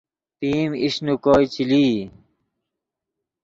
پئیم ایش نے کوئے چے لئی